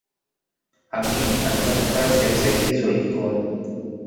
amin alifanya kazi ya msaidizi wa jikoni